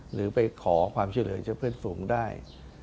หรือไปขอความช่วยเหลือจากเพื่อนฝูงได้